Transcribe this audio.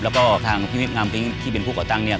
แล้วก็ทางพี่งามปิ้งที่เป็นผู้ก่อตั้งเนี่ย